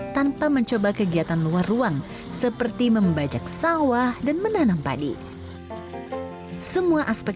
tanpa mencoba kegiatan luar ruang seperti membajak sawah dan menanam padi semua aspek